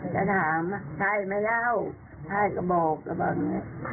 จะถามใช่มั้ยเหรอใช่กระโบกละแบบนี้